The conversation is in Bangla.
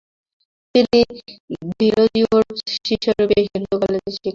তিনি ডিরোজিওর শিষ্যরূপে হিন্দু কলেজে শিক্ষাপ্রাপ্ত হন।